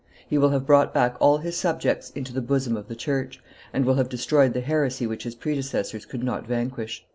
He will have brought back all his subjects into the bosom of the church, and will have destroyed the heresy which his predecessors could not vanquish."